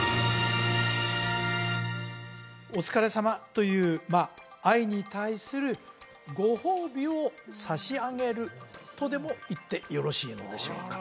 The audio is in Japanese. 「お疲れさま」という藍に対するご褒美を差し上げるとでも言ってよろしいのでしょうか？